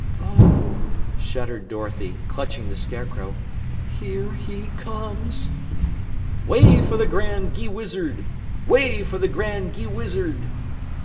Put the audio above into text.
"Oh!" shuddered Dorothy, clutching the Scarecrow, "Here he comes!" "Way for the Grand Gheewizard! Way for the Grand Gheewizard!"